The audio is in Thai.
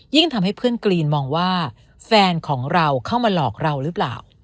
ทำให้เพื่อนกรีนมองว่าแฟนของเราเข้ามาหลอกเราหรือเปล่า